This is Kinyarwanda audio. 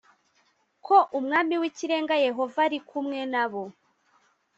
ko Umwami w Ikirenga Yehova ari kumwe nabo